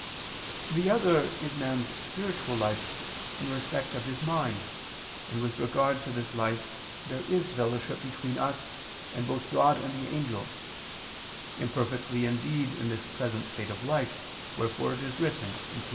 The other is man's spiritual life in respect of his mind, and with regard to this life there is fellowship between us and both God and the angels, imperfectly indeed in this present state of life, wherefore it is written (Phil.